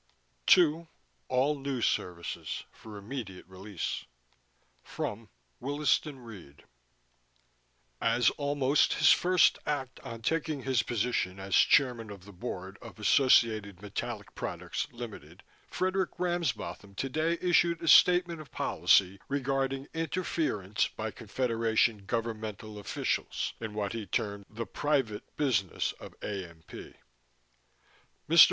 TO: All news services, for immediate release FROM: Williston Reed As almost his first act on taking his position as Chairman of the Board of Associated Metallic Products, Ltd., Frederick Ramsbotham today issued a statement of policy regarding "interference by Confederation governmental officials" in what he termed the "private business of AMP." Mr.